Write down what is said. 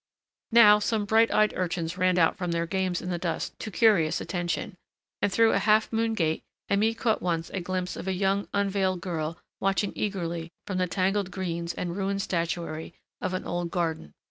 Now some bright eyed urchins ran out from their games in the dust to curious attention, and through a half open gate Aimée caught once a glimpse of a young, unveiled girl watching eagerly from the tangled greens and ruined statuary of an old garden.